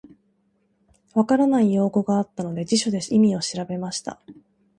分からない用語があったので、辞書で意味を調べました。